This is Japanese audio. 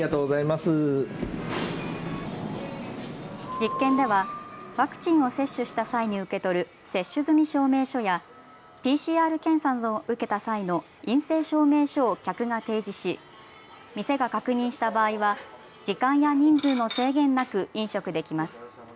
実験ではワクチンの接種した際に受け取る接種済み証明書やＰＣＲ検査を受けた際の陰性証明書を客が提示し店が確認した場合は時間や人数の制限なく飲食できます。